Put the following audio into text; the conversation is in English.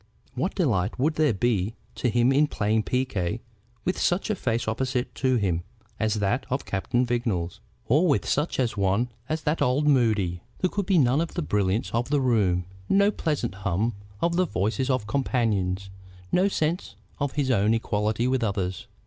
What delight would there be to him in playing piquet with such a face opposite to him as that of Captain Vignolles, or with such a one as that of old Moody? There could be none of the brilliance of the room, no pleasant hum of the voices of companions, no sense of his own equality with others.